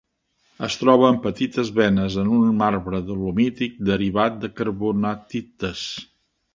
Es troba en petites venes en un marbre dolomític derivat de carbonatites.